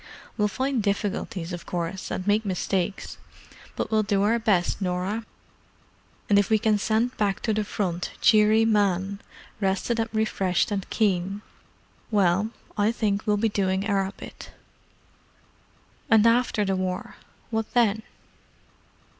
"We'll find difficulties, of course, and make mistakes, but we'll do our best, Norah. And if we can send back to the Front cheery men, rested and refreshed and keen—well, I think we'll be doing our bit. And after the War? What then?"